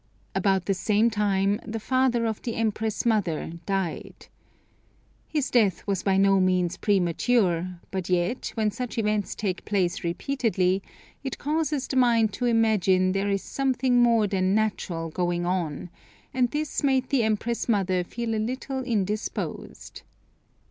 About the same time the father of the Empress mother died. His death was by no means premature; but yet, when such events take place repeatedly, it causes the mind to imagine there is something more than natural going on, and this made the Empress mother feel a little indisposed.